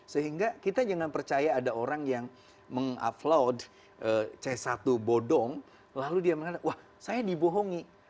sehingga kita jangan percaya ada orang yang mengupload c satu bodong lalu dia mengatakan wah saya dibohongi